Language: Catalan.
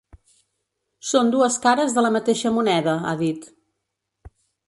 Són dues cares de la mateixa moneda, ha dit.